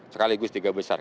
sekaligus tiga besar